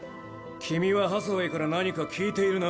君はハサウェイから何か聞いているな？